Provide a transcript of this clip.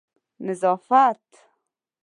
نظافت